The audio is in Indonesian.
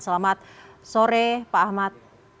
selamat sore pak ahmad